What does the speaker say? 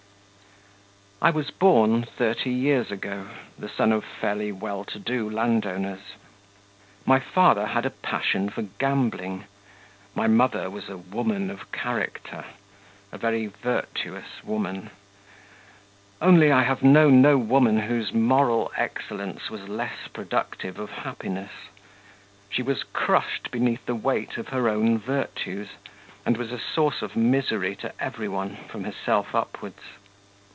I was born thirty years ago, the son of fairly well to do landowners. My father had a passion for gambling; my mother was a woman of character ... a very virtuous woman. Only, I have known no woman whose moral excellence was less productive of happiness. She was crushed beneath the weight of her own virtues, and was a source of misery to every one, from herself upwards.